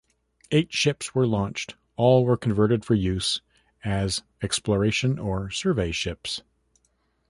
Eight ships were launched; all were converted for use as exploration or survey ships.